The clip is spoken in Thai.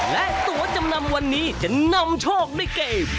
และตัวจำนำวันนี้จะนำโชคด้วยเกม